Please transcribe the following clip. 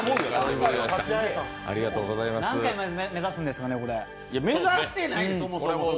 何回を目指すんですかね。